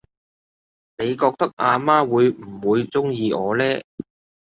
你覺得阿媽會唔會鍾意我呢？